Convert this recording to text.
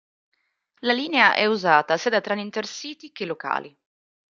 La linea è usata sia da treni InterCity che locali.